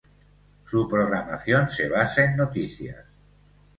Su programación se basa en noticias.